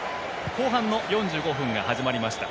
後半の４５分が始まりました。